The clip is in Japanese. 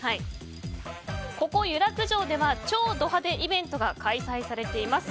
ここ湯楽城では超ド派手イベントが開催されています。